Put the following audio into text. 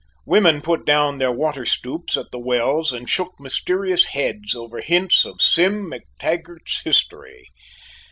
Women put down their water stoups at the wells and shook mysterious heads over hints of Sim MacTaggart's history.